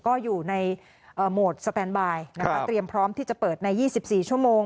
ก็อยู่ในโหมดสแตนบายนะคะเตรียมพร้อมที่จะเปิดใน๒๔ชั่วโมง